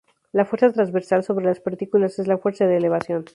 La fuerza transversal sobre las partículas es la fuerza de elevación.